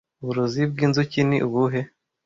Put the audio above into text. Uburozi bw'inzuki ni ubuhe